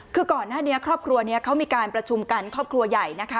คือก่อนหน้านี้ครอบครัวนี้เขามีการประชุมกันครอบครัวใหญ่นะคะ